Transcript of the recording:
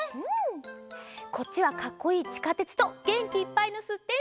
こっちはかっこいい「ちかてつ」とげんきいっぱいの「すってんすっく」！